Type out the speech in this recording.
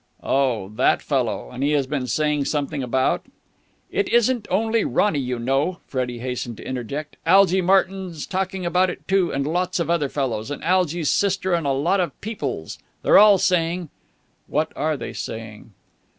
"Oh, that fellow? And he has been saying something about...?" "It isn't only Ronny, you know," Freddie hastened to interject. "Algy Martyn's talking about it, too. And lots of other fellows. And Algy's sister and a lot of peoples They're all saying...." "What are they saying?"